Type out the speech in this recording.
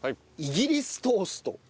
イギリストースト。